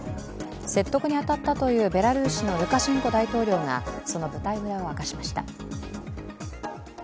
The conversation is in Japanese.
説得に当たったというベラルーシのルカシェンコ大統領が、その舞台裏を明かしました。